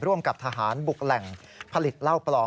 กับทหารบุกแหล่งผลิตเหล้าปลอม